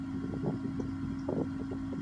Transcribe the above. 开战五日荷兰投降。